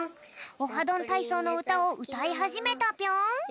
「オハどんたいそう」のうたをうたいはじめたぴょん。